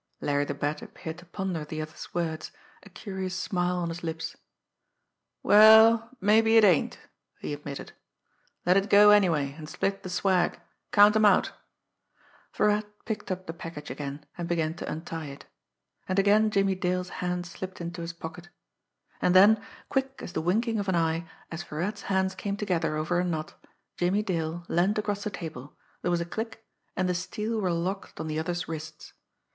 Larry the Bat appeared to ponder the other's words, a curious smile on his lips. "Well, mabbe it ain't," he admitted. "Let it go anyway, an' split the swag. Count 'em out!" Virat picked up the package again, and began to untie it and again Jimmie Dale's hand slipped into his pocket. And then, quick as the winking of an eye, as Virat's hands came together over a knot, Jimmie Dale leaned across the table, there was a click, and the steel were locked on the other's wrists.